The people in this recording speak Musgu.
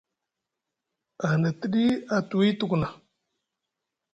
A hina tiɗi a tuwi tuku na.